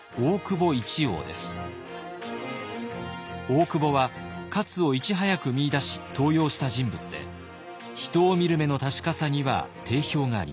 大久保は勝をいち早く見いだし登用した人物で人を見る目の確かさには定評がありました。